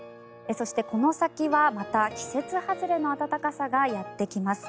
そして、この先はまた季節外れの暖かさがやってきます。